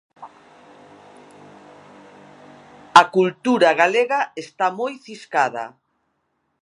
A cultura galega está moi ciscada.